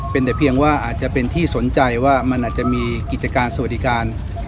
เป็นแต่เพียงว่าอาจจะเป็นที่สนใจว่ามันอาจจะมีกิจการสวัสดิการ